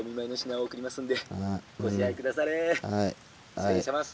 「失礼します」。